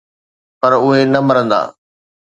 پر اهي نه مرندا